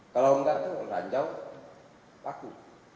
kalau enggak itu ranjau paku